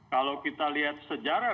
kalau kita lihat sejarah